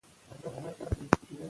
ښځه حق لري چې د خاوند غوښتنې ومني.